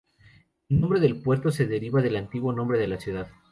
El nombre del puerto se deriva del antiguo nombre de la ciudad.